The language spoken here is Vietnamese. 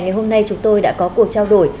ngày hôm nay chúng tôi đã có cuộc trao đổi